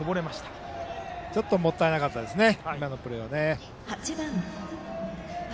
今のプレーちょっともったいなかったですね。